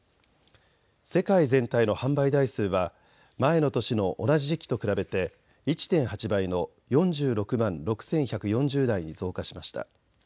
世界全体の販売台数は前の年の同じ時期と比べて１．８倍の４６万６１４０台に増加しました。